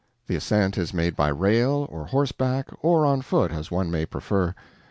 The ascent is made by rail, or horseback, or on foot, as one may prefer.